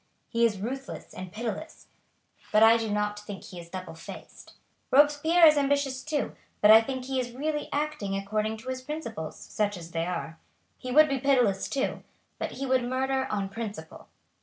He is ruthless and pitiless, but I do not think he is double faced. Robespierre is ambitious too, but I think he is really acting according to his principles, such as they are. He would be pitiless too, but he would murder on principle.